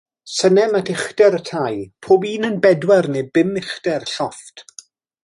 Synnem at uchder y tai, pob un yn bedwar neu bum uchder llofft.